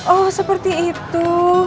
oh seperti itu